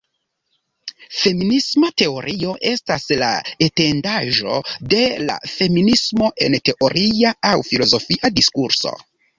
Feminisma teorio estas la etendaĵo de feminismo en teoria aŭ filozofia diskurso.